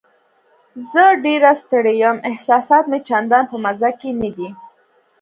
زه ډېره ستړې یم، احساسات مې چندان په مزه کې نه دي.